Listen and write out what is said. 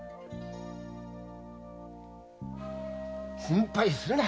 心配するな！